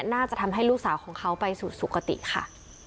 น่าจะทำให้ลูกสาวของเขาไปสู่สุขติค่ะ